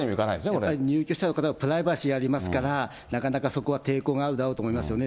やっぱり入居者の方のプライバシーありますから、なかなかそこは抵抗があるだろうと思いますよね。